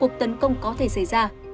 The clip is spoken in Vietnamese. và một cuộc tấn công có thể xảy ra